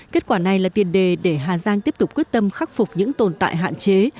kết quả này là tiền đề để hà giang tiếp tục quyết tâm khắc phục những tồn tại hạn chế